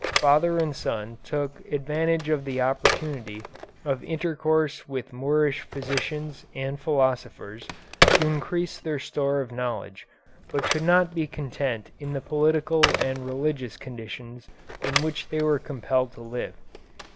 Father and son took advantage of the opportunity of intercourse with Moorish physicians and philosophers to increase their store of knowledge, but could not be content in the political and religious conditions in which they were compelled to live.